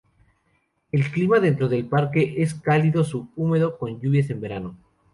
El clima dentro del parque es cálido subhúmedo con lluvias en verano.